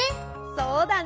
そうだね！